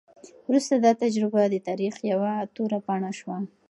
وروسته دا تجربه د تاریخ یوه توره پاڼه شوه.